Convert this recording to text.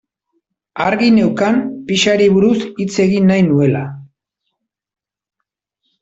Argi neukan pixari buruz hitz egin nahi nuela.